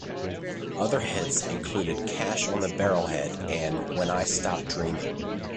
Other hits included "Cash on the Barrelhead" and "When I Stop Dreaming".